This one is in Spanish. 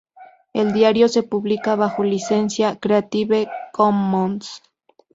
El diario se publica bajo licencia "Creative Commons".